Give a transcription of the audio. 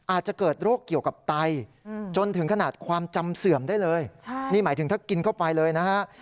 อาจจะเกิดโรคเกี่ยวกับไตจนถึงขนาดความจำเสื่อมได้เลยนี่หมายถึงถ้ากินเข้าไปเลยนะฮะ